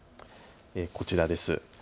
こちらです。